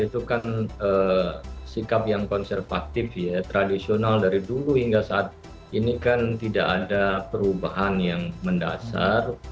itu kan sikap yang konservatif ya tradisional dari dulu hingga saat ini kan tidak ada perubahan yang mendasar